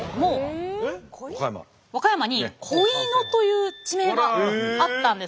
和歌山に恋野という地名があったんですね。